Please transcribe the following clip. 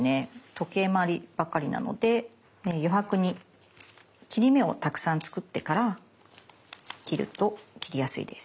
時計まわりばかりなので余白に切り目をたくさん作ってから切ると切りやすいです。